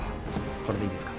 これでいいですか？